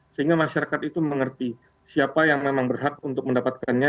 sehingga masyarakat itu mengerti siapa yang memang berhak untuk mendapatkannya